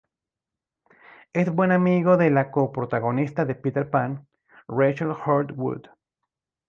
Es buen amigo de la co-protagonista de "Peter Pan", Rachel Hurd-Wood.